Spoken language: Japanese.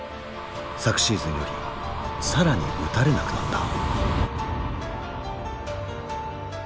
昨シーズンより更に打たれなくなった。